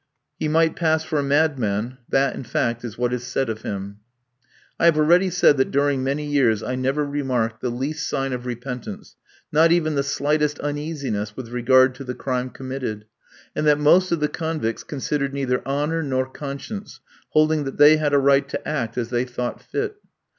He might pass for a madman; that, in fact, is what is said of him. I have already said that during many years I never remarked the least sign of repentance, not even the slightest uneasiness with regard to the crime committed; and that most of the convicts considered neither honour nor conscience, holding that they had a right to act as they thought fit.